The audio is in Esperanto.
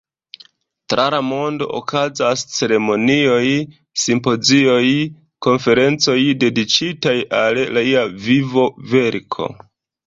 Tra la mondo okazas ceremonioj, simpozioj, konferencoj dediĉitaj al lia vivoverko.